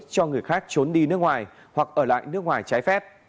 cho người khác trốn đi nước ngoài hoặc ở lại nước ngoài trái phép